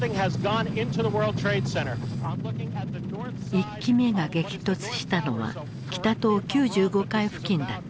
１機目が激突したのは北棟９５階付近だった。